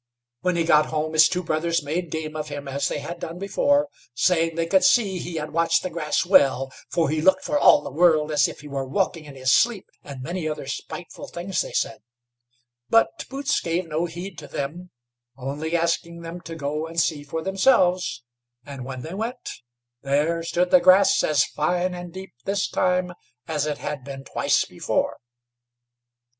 When he got home, his two brothers made game of him as they had done before, saying, they could see he had watched the grass well, for he looked for all the world as if he were walking in his sleep, and many other spiteful things they said, but Boots gave no heed to them, only asking them to go and see for themselves; and when they went, there stood the grass as fine and deep this time as it had been twice before.